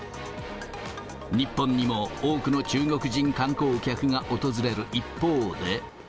日本にも多くの中国人観光客が訪れる一方で。